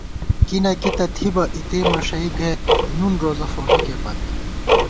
کی نہ کی تہ تھِبہ اِتےمݭَئ گئیت نُون روزہ فوٹِکےپت